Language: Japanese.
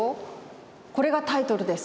これがタイトルです。